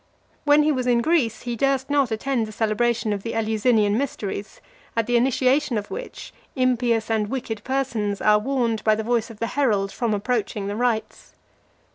When he was in Greece, he durst not attend the celebration of the Eleusinian mysteries, at the initiation of which, impious and wicked persons are warned by the voice of the herald from approaching the rites .